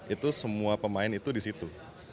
itu semua pemain itu di situ